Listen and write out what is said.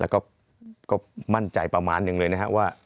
แล้วก็มั่นใจประมาณหนึ่งเลยนะครับว่า